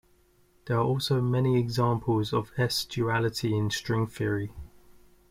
There are also many examples of S-duality in string theory.